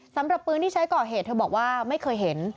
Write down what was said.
สำหรับปืนที่ใช้ก่อเหตุเธอบอกว่าไม่เคยเห็น